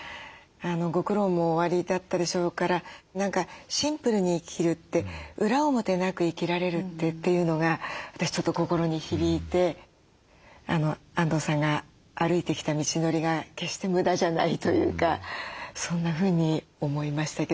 ご苦労もおありだったでしょうから何かシンプルに生きるって裏表なく生きられるというのが私ちょっと心に響いてあんどうさんが歩いてきた道のりが決して無駄じゃないというかそんなふうに思いましたけど。